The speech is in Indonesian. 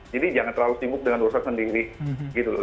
jadi jangan terlalu sibuk dengan urusan sendiri gitu loh